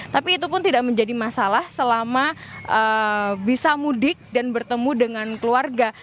tapi itu pun tidak menjadi masalah selama bisa mudik dan bertemu dengan keluarga